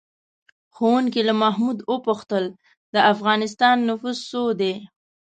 ښوونکي له محمود وپوښتل: د افغانستان نفوس څو دی؟